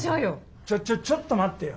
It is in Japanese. ちょっちょっちょっと待ってよ。